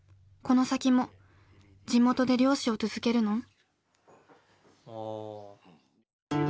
この先も地元で漁師を続けるの？